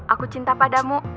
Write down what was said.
aku cinta padamu